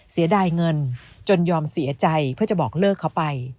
เสียดายเงินจนยอมเสียใจเพื่อจะบอกเลิกเขาไป